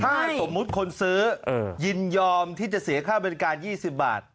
ถ้าสมมุติคนซื้อยินยอมที่จะเสียค่าบริการ๒๐บาท